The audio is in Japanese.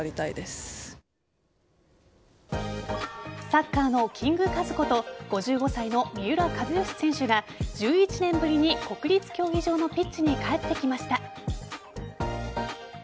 サッカーのキング・カズこと５５歳の三浦知良選手が１１年ぶりに国立競技場のピッチに帰ってきました。